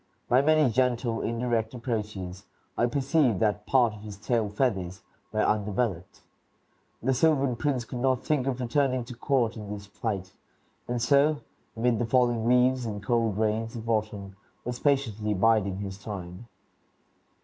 By many gentle, indirect approaches, I perceived that part of his tail feathers were undeveloped. The sylvan prince could not think of returning to court in this plight, and so, amid the falling leaves and cold rains of autumn, was patiently biding his time.